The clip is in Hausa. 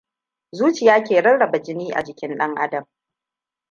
Zuciya ke rarraba jini a jikin ɗan adam.